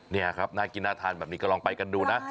นี่ครับน่ากินน่าทานแบบนี้ก็ลองไปกันดูนะ